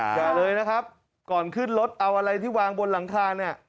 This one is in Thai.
อย่าเลยนะครับก่อนขึ้นรถเอาอะไรที่วางบนหลังคาเนี่ย